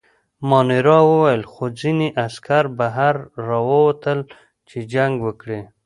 مانیرا وویل: خو ځینې عسکر بهر راووتل، چې جنګ وکړي.